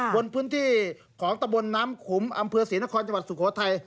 บนพื้นที่ของตะบนน้ำขุมอำเภอศรีนครจังหวัดสุโขทัย